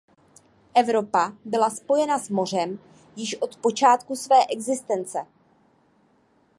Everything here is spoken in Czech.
Evropa byla spojena s mořem již od počátku své existence.